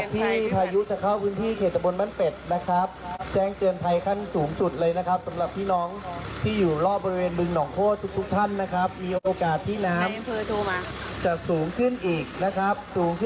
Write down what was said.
ทุกท่านนะครับเตรียมท้องติดตัวไว้นะครับ